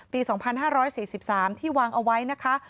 ปี๒๕๔๓ที่วางเอาไว้นะคะ